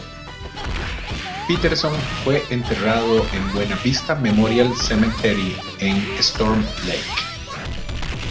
Peterson fue enterrado en Buena Vista Memorial Cemetery en Storm Lake.